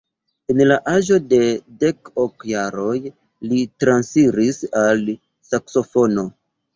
En la aĝo de dek ok jaroj li transiris al saksofono.